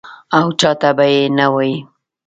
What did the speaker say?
او چا ته به یې نه وایې.